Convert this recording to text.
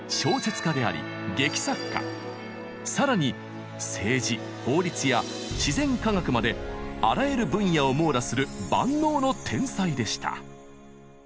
更に政治法律や自然科学まであらゆる分野を網羅する万能の天才でした。